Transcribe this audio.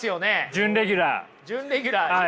準レギュラー。